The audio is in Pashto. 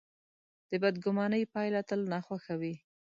د بدګمانۍ پایله تل ناخوښه وي.